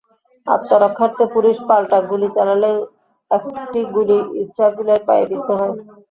আত্মরক্ষার্থে police পাল্টা গুলি চালালে একটি গুলি ইসরাফিলের পায়ে বিদ্ধ হয়।